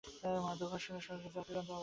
মাধ্যাকর্ষণের মতো যা চিরন্তন অপরিবর্তনীয়।